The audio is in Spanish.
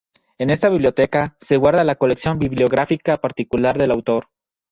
En esta biblioteca se guarda la colección bibliográfica particular del autor.